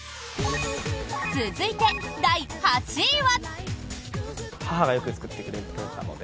続いて、第８位は。